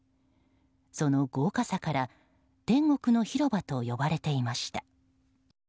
その豪華さから天国の広場と呼ばれていました。